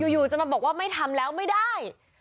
อยู่จะมาบอกว่าไม่ทำแล้วไม่ได้